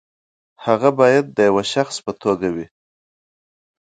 هغه باید د یوه شخص په توګه وي.